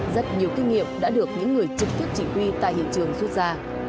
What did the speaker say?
rất nhiều kinh nghiệm đã được những người trực tiếp chỉ huy tại hiện trường rút ra